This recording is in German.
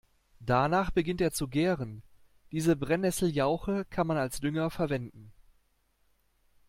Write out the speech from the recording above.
Danach beginnt er zu gären. Diese Brennesseljauche kann man als Dünger verwenden.